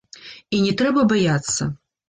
І не трэба баяцца!